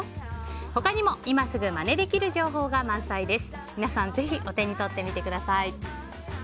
他にも今すぐまねできる情報が満載です。